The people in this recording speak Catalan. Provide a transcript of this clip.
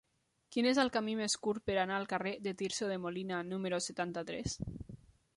Quin és el camí més curt per anar al carrer de Tirso de Molina número setanta-tres?